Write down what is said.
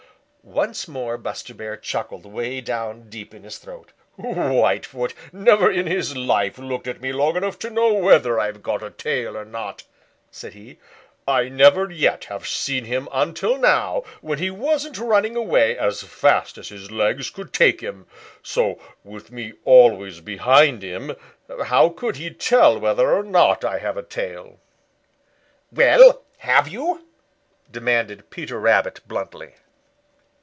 Once more Buster Bear chuckled way down deep in his throat. "Whitefoot never in his life looked at me long enough to know whether I've got a tail or not," said he. "I never yet have seen him until now, when he wasn't running away as fast as his legs could take him. So with me always behind him, how could he tell whether or not I have a tail?" "Well, have you?" demanded Peter Rabbit bluntly.